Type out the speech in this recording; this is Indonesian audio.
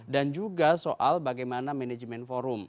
dan juga soal bagaimana manajemen forum